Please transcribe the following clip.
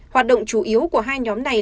hoạt động chủ yếu của hai nhóm này